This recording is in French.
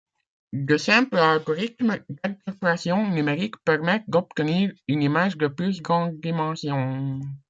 De simples algorithmes d'interpolation numérique permettent d'obtenir une image de plus grandes dimensions.